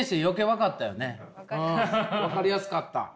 分かりやすかった。